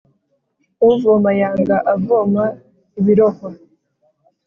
Uvoma yanga avoma ibirohwa.